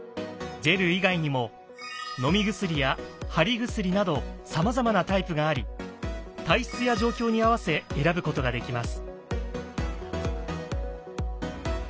ジェル以外にも飲み薬や貼り薬などさまざまなタイプがあり体質や状況に合わせ選ぶことができます。